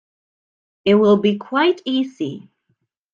It will be quite easy.